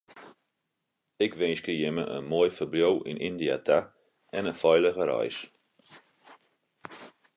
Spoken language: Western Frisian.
Ik winskje jimme in moai ferbliuw yn Yndia ta en in feilige reis.